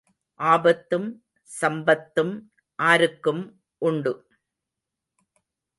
ஆபத்தும் சம்பத்தும் ஆருக்கும் உண்டு?